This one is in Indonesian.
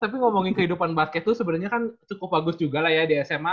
tapi ngomongin kehidupan basket lu sebenernya kan cukup bagus juga lah ya di sma